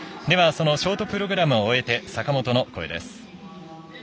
ショートプログラムを終えて坂本の声です。